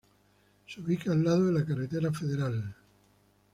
Se ubica al lado de la Carretera Federal No.